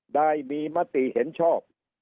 ได้มีมติเห็นชอบ